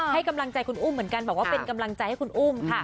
ให้กำลังใจคุณอุ้มเหมือนกันบอกว่าเป็นกำลังใจให้คุณอุ้มค่ะ